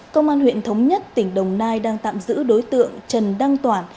công an huyện thống nhất tỉnh đồng nai đang tạm giữ đối tượng trần đăng toản